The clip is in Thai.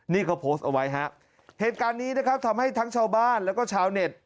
นี่เขาโพสต์เอาไว้ฮะเหตุการณ์นี้นะครับทำให้ทั้งชาวบ้านแล้วก็ชาวเน็ต